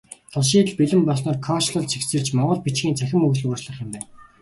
Тус шийдэл бэлэн болсноор кодчилол цэгцэрч, монгол бичгийн цахим хөгжил урагшлах юм байна.